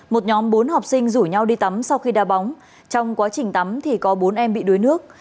một nhóm bốn học sinh rủ nhau đi tắm sau khi đa bóng trong quá trình tắm thì có bốn em bị đuối nước